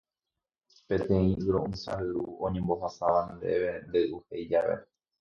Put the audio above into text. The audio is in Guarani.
Peteĩ yro'ysã ryru oñembohasáva ndéve nde'yuhéi jave